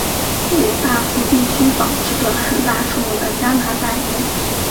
五大湖地区保持着很大数目的加拿大雁。